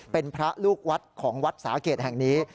เป็นพระลูกวัดของวัดสาเกตแห่งนี้